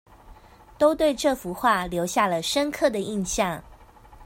都對這幅畫留下了深刻的印象